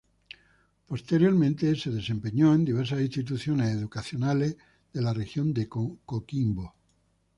Posteriormente se desempeñó en diversas instituciones educacionales de la Región de Coquimbo.